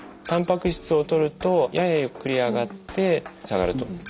たんぱく質をとるとややゆっくり上がって下がると。